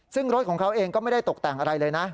ซึ่งรถของเขาเองก็ไม่ได้ตกแต่งอะไรเลยนะ